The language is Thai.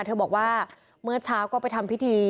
เธอบอกว่าเมื่อเช้าก็ไปทำพิธี